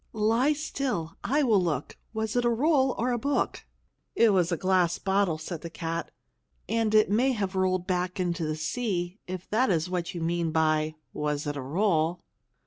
"Lie still! I will look! Was it a roll or a book?" "It was a glass bottle," said the cat, "and it may have rolled back into the sea if that is what you mean by 'was it a roll?